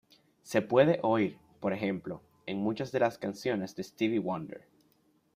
Se puede oír, por ejemplo, en muchas de las canciones de Stevie Wonder.